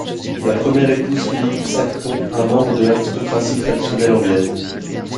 La première épouse Phillip Sackton, un membre de l'aristocratie traditionnelle Anglaise.